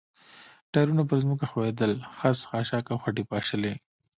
ټایرونه پر ځمکه ښویېدل، خس، خاشاک او خټې یې پاشلې.